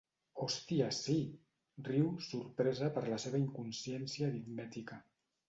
Hòstia, sí! —riu, sorpresa per la seva inconsciència aritmètica.